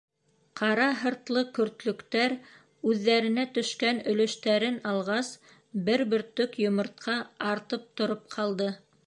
Ҡара һыртлы көртлөктәр үҙҙәренә төшкән өлөштәрен алғас, бер бөртөк йомортҡа артып тороп ҡалды.